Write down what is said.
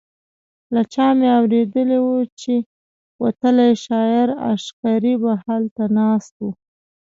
له چا مې اورېدي وو چې وتلی شاعر عشقري به هلته ناست و.